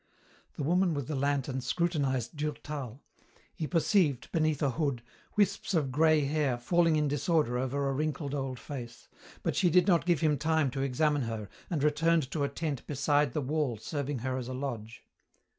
The woman with the lantern scrutinized Durtal. He perceived, beneath a hood, wisps of grey hair falling in disorder over a wrinkled old face, but she did not give him time to examine her and returned to a tent beside the wall serving her as a lodge.